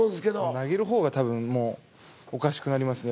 投げる方が多分もうおかしくなりますね。